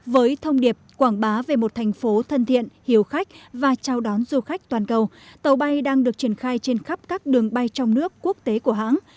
với thông điệp quảng bá về một thành phố thân thiện hiếu khách và chào đón du khách toàn cầu tàu bay đang được triển khai trên khắp các đường bay trong nước quốc tế của hãng